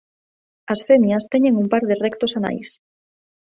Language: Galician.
As femias teñen un par de rectos anais.